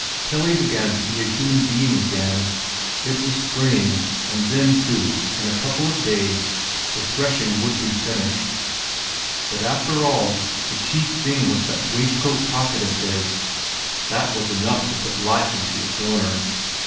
Pelle began to be a human being again. It was spring, and then, too, in a couple of days the threshing would be finished. But after all, the chief thing was that waistcoat pocket of his; that was enough to put life into its owner.